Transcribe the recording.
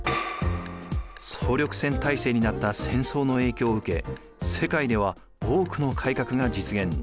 総力戦体制になった戦争の影響を受け世界では多くの改革が実現。